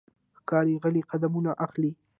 ښکاري غلی قدمونه اخلي.